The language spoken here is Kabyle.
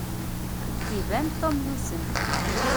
Iban Tom yusem.